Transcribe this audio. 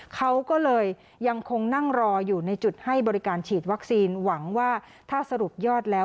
เขาก็เลยยังคงนั่งรออยู่ในจุดให้บริการฉีดวัคซีนหวังว่าถ้าสรุปยอดแล้ว